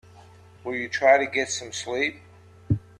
Will you try to get some sleep?